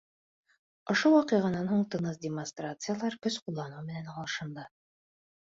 Ошо ваҡиғанан һуң тыныс демонстрациялар көс ҡулланыу менән алышынды.